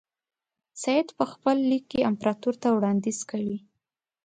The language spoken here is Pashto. سید په خپل لیک کې امپراطور ته وړاندیز کوي.